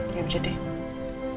ya udah deh